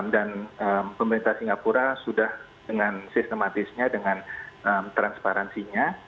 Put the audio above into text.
dan pemerintah singapura sudah dengan sistematisnya dengan transparansinya